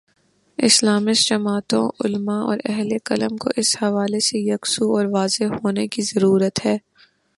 Islamist جماعتوں، علما اور اہل قلم کو اس حوالے سے یکسو اور واضح ہونے کی ضرورت ہے۔